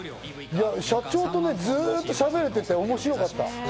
社長とずっとしゃべれてて、面白かった。